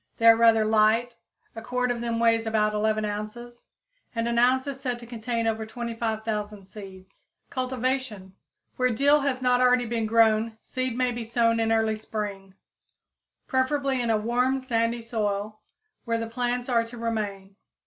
They are rather light; a quart of them weighs about 11 ounces, and an ounce is said to contain over 25,000 seeds. Cultivation. Where dill has not already been grown seed may be sown in early spring, preferably in a warm sandy soil, where the plants are to remain.